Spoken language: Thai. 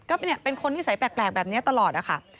ก็เป็นคนนิสัยแปลกแบบนี้ตลอดนะคะ